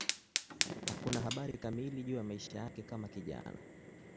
Hakuna habari kamili juu ya maisha yake kama kijana.